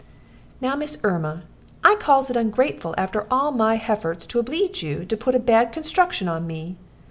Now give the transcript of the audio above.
"Now, Miss Erma, I calls it ungrateful, after all my hefforts to obleege you, to put a bad construction upon me.